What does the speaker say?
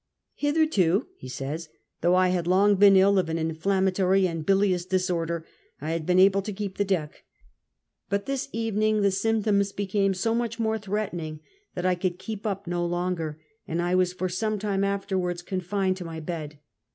Hitherto (lie says), though I had long been ill of an in flammatory and bilious disorder, I had been able to keep the deck ; but this evening the symptoms became so much more threatening that I could keep up no longer, and I was for some time afterwards confined to my bed.